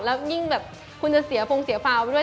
แล้วยิ่งคุณจะเสียฟังเสียฟลาบ้างด้วย